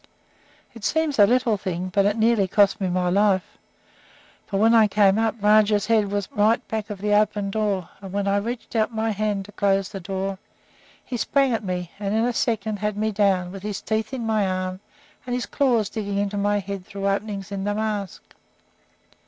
It seems a little thing, but it nearly cost me my life; for when I came up Rajah's head was right back of the open door, and when I reached out my hand to close the door he sprang at me, and in a second had me down, with his teeth in my arm and his claws digging into my head through openings in the mask.